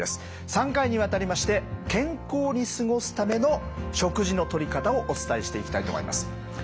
３回にわたりまして健康に過ごすための食事のとり方をお伝えしていきたいと思います。